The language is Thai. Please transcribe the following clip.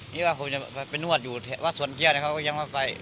นี่ผมจะไปนวดอยู่วัดสวนเกี้ยยเป็นอย่างเวลาไป